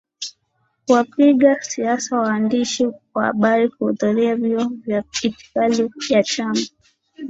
kuwapiga siasa waandishi wa habari kuhudhuria vyuo vya itikadi ya chama